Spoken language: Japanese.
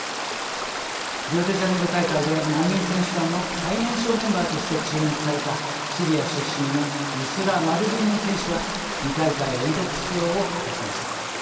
リオデジャネイロ大会で難民選手団の最年少メンバーとして注目されたシリア出身のユスラ・マルディニ選手は２大会連続出場を果たしました。